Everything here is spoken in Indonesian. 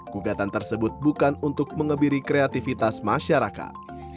gugatan tersebut bukan untuk mengebiri kreativitas masyarakat